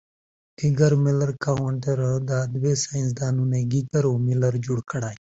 The name also possibly derives from a Gaelic name meaning "fruitful woman".